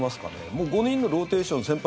もう５人のローテーション先発